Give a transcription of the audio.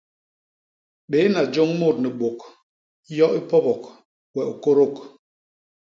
Bééna joñ mut ni bôk, yo i pobok, we u kôdôk.